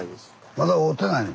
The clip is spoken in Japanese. まだ会うてないの？